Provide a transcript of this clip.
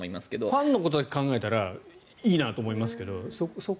ファンのことだけ考えたらいいなと思いますが。